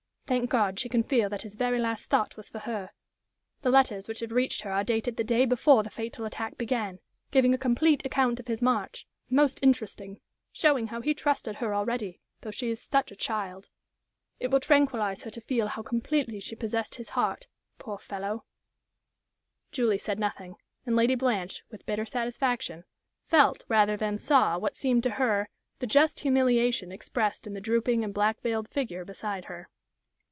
Thank God, she can feel that his very last thought was for her! The letters which have reached her are dated the day before the fatal attack began giving a complete account of his march most interesting showing how he trusted her already though she is such a child. It will tranquillize her to feel how completely she possessed his heart poor fellow!" Julie said nothing, and Lady Blanche, with bitter satisfaction, felt rather than saw what seemed to her the just humiliation expressed in the drooping and black veiled figure beside her.